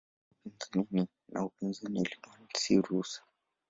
Kisiasa upinzani na upinzani ilikuwa si ruhusa.